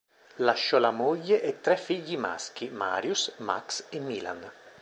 Lasciò la moglie e tre figli maschi, Marius, Max e Milan.